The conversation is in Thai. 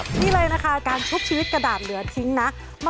ในการชุบชีวิตกระดาษเหลือทิ้งนะคะ